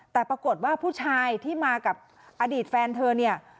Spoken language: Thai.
แต่ปรากฏว่าผู้ชายที่มากับอดีตแฟนเธอเนี่ย